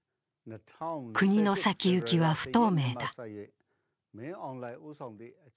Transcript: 国の先行きは不透明だ。